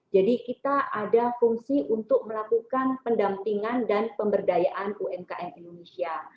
jadi kita ada fungsi untuk melakukan pendampingan dan pemberdayaan umkm indonesia